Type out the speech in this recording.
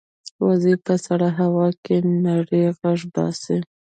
وزې په سړه هوا کې نری غږ باسي